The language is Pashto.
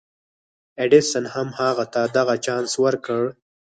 ايډېسن هم هغه ته دغه چانس ورکړ.